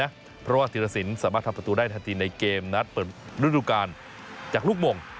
แต่ชัดเจนนะเพราะว่าธีรศิลป์สามารถทำประตูได้ทันทีในเกมนัดเปิดรุ่นรุการจากลูกมง